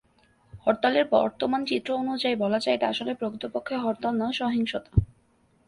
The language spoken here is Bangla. হরতালের বর্তমান চিত্র অনুযায়ী বলা যায়, এটা আসলে প্রকৃতপক্ষে হরতাল নয়, সহিংসতা।